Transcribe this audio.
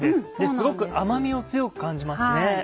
すごく甘みを強く感じますね。